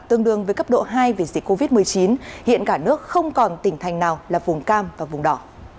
tương đương với cấp độ hai vì dịch covid một mươi chín hiện cả nước không còn tỉnh thành nào là vùng cam và vùng đỏ